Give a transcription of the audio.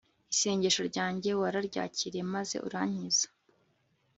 isengesho ryanjye wararyakiriye, maze urankiza